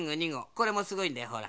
これもすごいんだよほら。